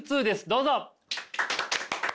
どうぞ！